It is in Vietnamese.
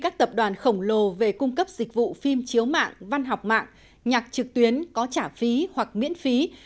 các tập đoàn khổng lồ về cung cấp dịch vụ phim chiếu mạng văn học mạng nhạc trực tuyến có trả phí hoặc miễn phí